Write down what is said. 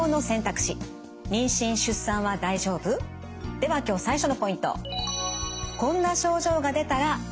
では今日最初のポイント。